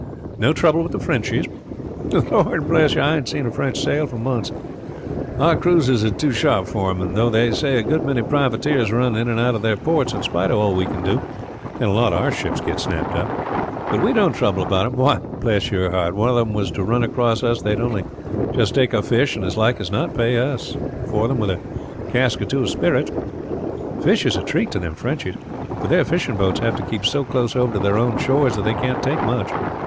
"No trouble with the Frenchies?" "Lord bless you I ain't seen a French sail for months. Our cruisers are too sharp for them; though they say a good many privateers run in and out of their ports in spite of all we can do, and a lot of our ships get snapped up. But we don't trouble about them. Why, bless your heart, if one of them was to run across us they would only just take our fish, and as likely as not pay us for them with a cask or two of spirits. Fish is a treat to them Frenchies; for their fishing boats have to keep so close over to their own shores that they can't take much.